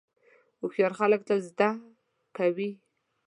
هوښیار خلک تل زده کوي.